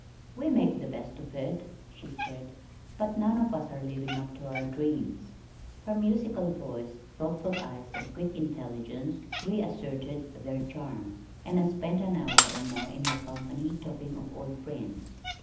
"We make the best of it," she said, "but none of us are living up to our dreams." Her musical voice, thoughtful eyes and quick intelligence, re asserted their charm, and I spent an hour or more in her company talking of old friends.